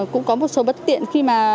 cũng có một số bất tiện khi mà